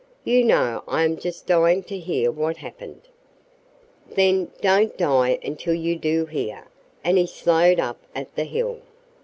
You know I am just dying to hear what happened." "Then don't die until you do hear," and he slowed up at the hill.